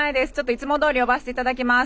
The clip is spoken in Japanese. いつもどおり呼ばせていただきます。